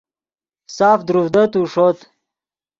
ساف دروڤدتو ݰوت